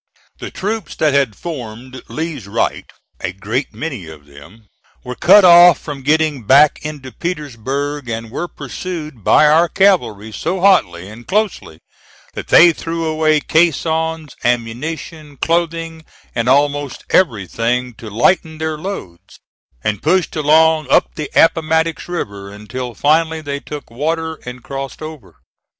The troops that had formed Lee's right, a great many of them, were cut off from getting back into Petersburg, and were pursued by our cavalry so hotly and closely that they threw away caissons, ammunition, clothing, and almost everything to lighten their loads, and pushed along up the Appomattox River until finally they took water and crossed over.